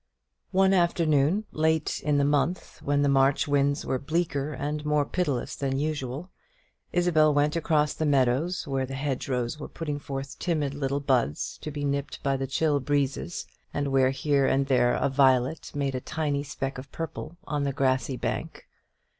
One afternoon, late in the month, when the March winds were bleaker and more pitiless than usual, Isabel went across the meadows where the hedgerows were putting forth timid little buds to be nipped by the chill breezes, and where here and there a violet made a tiny speck of purple on the grassy bank.